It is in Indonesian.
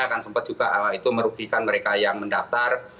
akan sempat juga itu merugikan mereka yang mendaftar